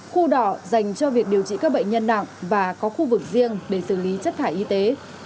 khu đỏ dành cho việc điều trị các bệnh nhân nặng và có khu vực riêng để xử lý chất thải y tế